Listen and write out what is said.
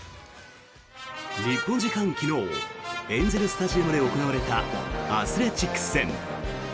日本時間昨日エンゼル・スタジアムで行われたアスレチックス戦。